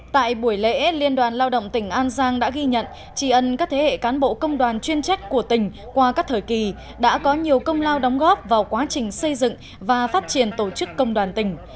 tại buổi lễ liên đoàn lao động tỉnh an giang đã ghi nhận trì ấn các thế hệ cán bộ công đoàn chuyên trách của tỉnh qua các thời kỳ đã có nhiều công lao đóng góp vào quá trình xây dựng và phát triển tổ chức công đoàn tỉnh